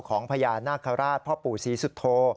ของพระยานน่ากษ์ราชพ่อปู่ศรีสุฒโฑ